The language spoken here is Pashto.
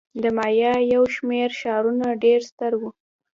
د مایا یو شمېر ښارونه ډېر ستر وو.